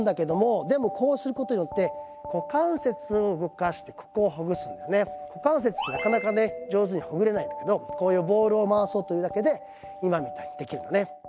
でもこうすることによって股関節ってなかなかね上手にほぐれないんだけどこういうボールを回そうというだけで今みたいにできるのね。